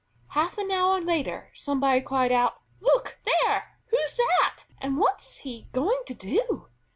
Half an hour later somebody cried out: "Look there! Who's that, and what's he going to do?"